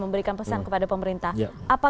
memberikan pesan kepada pemerintah apa